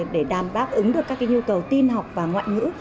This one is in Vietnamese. để đảm bác ứng được các nhu cầu tin học và ngoại ngữ